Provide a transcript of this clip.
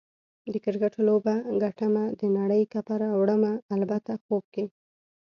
د کرکټ لوبه ګټمه، د نړۍ کپ به راوړمه - البته خوب کې